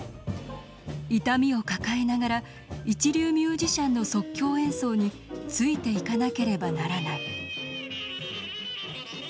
痛みを抱えながら一流ミュージシャンの即興演奏についていかなければならない。